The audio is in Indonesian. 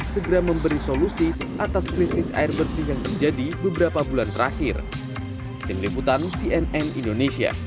segera memberi solusi atas krisis air bersih yang terjadi beberapa bulan terakhir